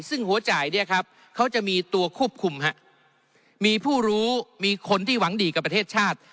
ซึ่งหัวจ่ายเนี่ยครับเขาจะมีตัวควบคุมมีผู้รู้มีคนที่หวังดีกับประเทศชาติ